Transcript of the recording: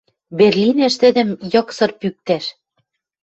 Берлинеш тӹдӹм йыксыр пӱктӓш